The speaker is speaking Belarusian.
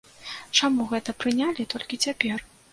Чаму гэта прынялі толькі цяпер?